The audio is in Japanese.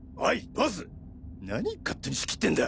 ボウズ何勝手に仕切ってんだ！